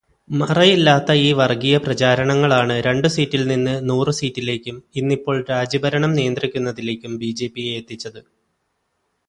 മറയില്ലാത്ത ഈ വര്ഗീയപ്രചാരണങ്ങളാണ് രണ്ടു സീറ്റില് നിന്നു നൂറു സീറ്റിലേക്കും ഇന്നിപ്പോള് രാജ്യഭരണം നിയന്ത്രിക്കുന്നതിലേക്കും ബിജെപിയെ എത്തിച്ചത്.